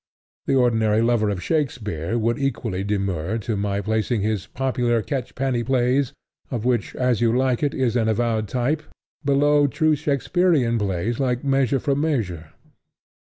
The ordinary lover of Shakespeare would equally demur to my placing his popular catchpenny plays, of which As You Like It is an avowed type, below true Shakespearean plays like Measure for Measure.